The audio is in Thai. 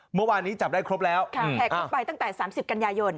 เมื่อวานนี้จับได้ครบแล้วแหกคุกไปตั้งแต่๓๐กันยายน